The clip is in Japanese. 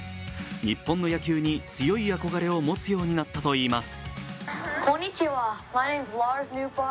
日本の野球に強い憧れを持つようになったといいます。